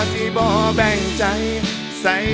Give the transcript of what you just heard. ขอบคุณมาก